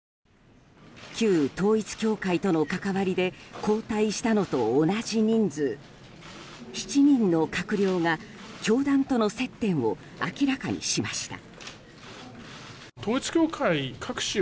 旧統一教会との関わりで交代したのと同じ人数７人の閣僚が教団との接点を明らかにしました。